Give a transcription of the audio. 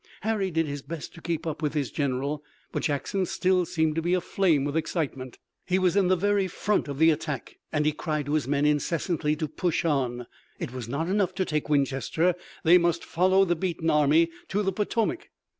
Harry did his best to keep up with his general, but Jackson still seemed to be aflame with excitement. He was in the very front of the attack and he cried to his men incessantly to push on. It was not enough to take Winchester. They must follow the beaten army to the Potomac.